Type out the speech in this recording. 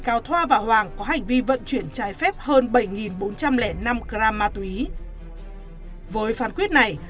cao thoa và hoàng có hành vi vận chuyển trái phép hơn bảy bốn trăm linh năm gram ma túy với phán quyết này